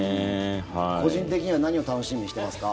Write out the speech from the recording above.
個人的には何を楽しみにしていますか？